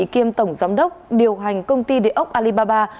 kiêm tổng giám đốc điều hành công ty địa ốc alibaba